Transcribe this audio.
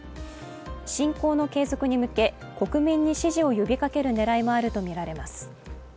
侵攻の継続に向け、国民に支持を呼びかける狙いもあるとみられます。